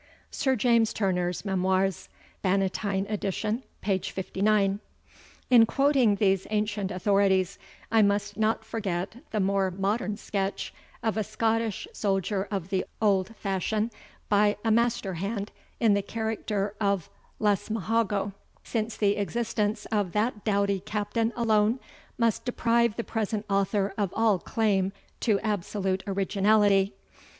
[SIR JAMES TURNER'S MEMOIRS, Bannatyne edition, p. 59.] In quoting these ancient authorities, I must not forget the more modern sketch of a Scottish soldier of the old fashion, by a masterhand, in the character of Lesmahagow, since the existence of that doughty Captain alone must deprive the present author of all claim to absolute originality.